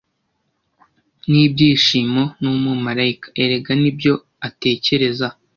Nibyishimo, ni umumarayika- erega nibyo atekereza